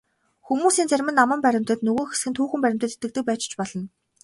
Хүмүүсийн зарим нь аман баримтад, нөгөө хэсэг нь түүхэн баримтад итгэдэг байж ч болно.